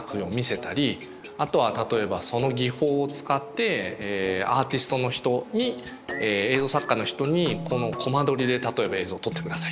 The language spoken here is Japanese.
あとは例えばその技法を使ってアーティストの人に映像作家の人にこのコマ撮りで例えば映像撮ってくださいとか。